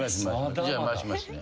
じゃあ回しますね。